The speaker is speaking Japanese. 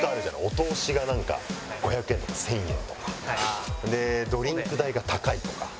お通しがなんか５００円とか１０００円とか。でドリンク代が高いとか。